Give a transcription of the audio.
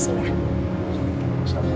udah doain pernikahan aku